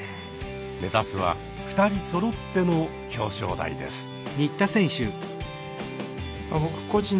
目指すは２人そろっての表彰台です。